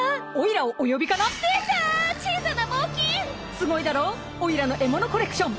すごいだろオイラの獲物コレクション。